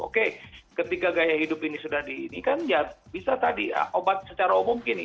oke ketika gaya hidup ini sudah di ini kan ya bisa tadi ya obat secara umum gini